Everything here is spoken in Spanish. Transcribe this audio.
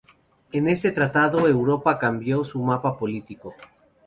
En este tratado Europa cambió su mapa político.